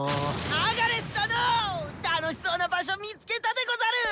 アガレス殿楽しそうな場所見つけたでござる！